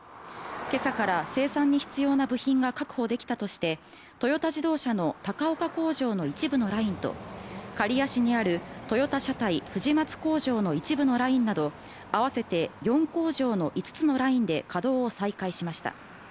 今朝から生産に必要な部品が確保できたとしてトヨタ自動車の高岡工場の一部のラインと刈谷市にあるトヨタ車体富士松工場の一部のラインなど合わせて４工場の５つのラインで稼働を再開しました